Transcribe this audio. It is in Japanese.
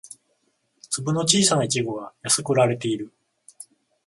粒の小さなイチゴが安く売られている